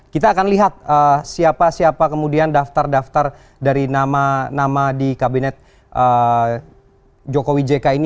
kita akan lihat siapa siapa kemudian daftar daftar dari nama nama di kabinet jokowi jk ini